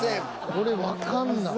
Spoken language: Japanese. これわかんない。